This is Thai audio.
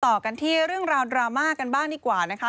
ต่อกันที่เรื่องราวดราม่ากันบ้างดีกว่านะคะ